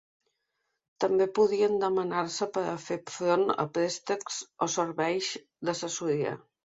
També podien demanar-se per a fer front a préstecs o serveis d’assessoria.